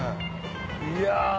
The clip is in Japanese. いや。